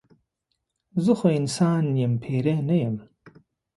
زه خو انسان یم پیری نه یم.